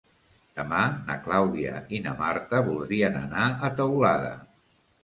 Demà na Clàudia i na Marta voldrien anar a Teulada.